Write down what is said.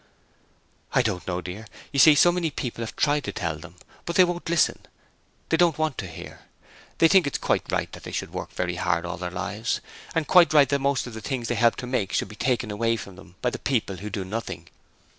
'I don't know dear; you see so many people have tried to tell them, but they won't listen, they don't want to hear. They think it's quite right that they should work very hard all their lives, and quite right that most of the things they help to make should be taken away from them by the people who do nothing.